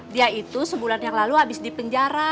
dia itu sebulan yang lalu abis dipenjara